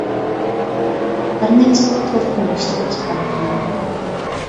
بىر نەچچە خىل تور كۆرگۈچتە ئىچىپ باقتىم.